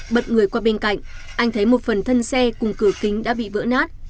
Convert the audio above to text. bật người qua bên cạnh anh thấy một phần thân xe cùng cửa kính đã bị vỡ nát